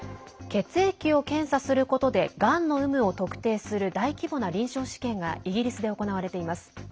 血液を検査することでがんの有無を特定する大規模な臨床試験がイギリスで行われています。